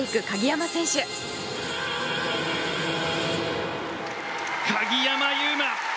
鍵山優真